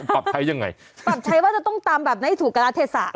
ปรับใช้ยังไงปรับใช้ว่าจะต้องตำแบบให้ถูกการรัฐเทศะ